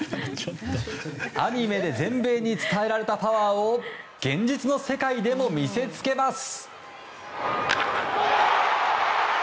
アニメで全米に伝えられたパワーを現実の世界でも見せつけます。